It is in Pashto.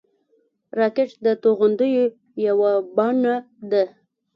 راکټ د توغندیو یوه بڼه ده